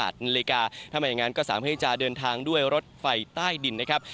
ถ้าไม่อย่างนั้นก็สามารถที่จะเดินทางด้วยรถไฟใต้ดินนะครับ